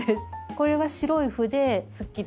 これは白い斑ですっきり。